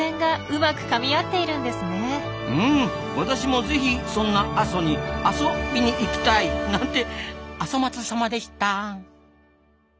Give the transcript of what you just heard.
うん私もぜひそんな阿蘇にアソびに行きたい！なんてアソまつさまでした。